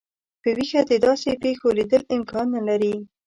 په ویښه د داسي پیښو لیدل امکان نه لري.